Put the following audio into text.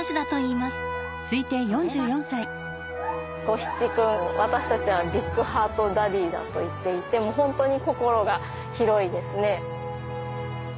ゴヒチ君私たちはビッグハートダディだと言っていて本当に心が広いですね。